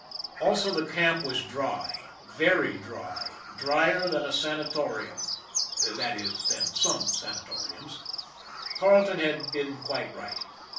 Also the camp was dry, very dry, dryer than a sanatorium that is, than some sanatoriums. Carle ton had been quite right.